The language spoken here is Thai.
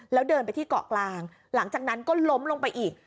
แล้วเดินไปที่เกาะกลางหลังจากนั้นก็ล้มลงไปอีก